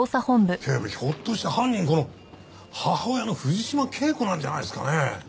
警部ひょっとして犯人この母親の藤島圭子なんじゃないですかね？